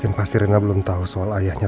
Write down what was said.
ini pasti berat banget buat dia